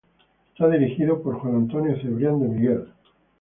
Está dirigido por Juan Antonio Cebrián de Miguel.